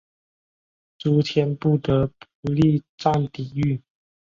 朱谦不得不力战抵御。